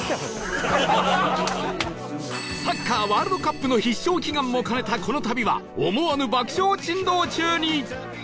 サッカーワールドカップの必勝祈願も兼ねたこの旅は思わぬ爆笑珍道中に